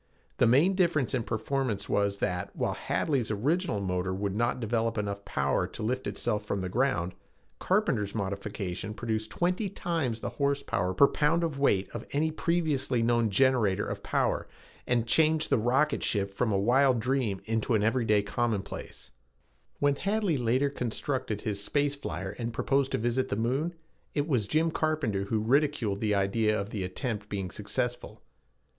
The main difference in performance was that, while Hadley's original motor would not develop enough power to lift itself from the ground, Carpenter's modification produced twenty times the horsepower per pound of weight of any previously known generator of power and changed the rocket ship from a wild dream to an everyday commonplace. When Hadley later constructed his space flyer and proposed to visit the moon, it was Jim Carpenter who ridiculed the idea of the attempt being successful.